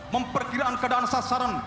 memperkiraan keadaan sasaran